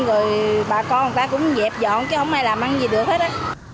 rồi bà con người ta cũng dẹp dọn cái ống này làm ăn gì được hết á